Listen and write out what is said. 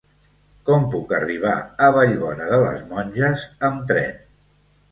Com puc arribar a Vallbona de les Monges amb tren?